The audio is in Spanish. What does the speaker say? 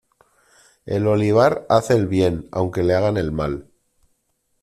El olivar hace el bien, aunque le hagan el mal.